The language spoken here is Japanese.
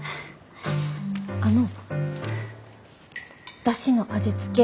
あの出汁の味付け